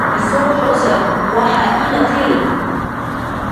Исоуҳәозар, уаҳа инаҭеи?